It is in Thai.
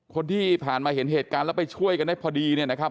คนที่ผ่านมาเห็นเหตุการณ์แล้วไปช่วยกันได้พอดีเนี่ยนะครับ